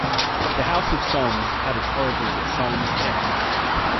The House of Solms had its origins at Solms, Hesse.